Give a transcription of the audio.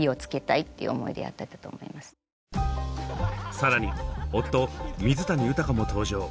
更に夫水谷豊も登場。